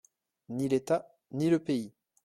Ni l'État, ni le pays.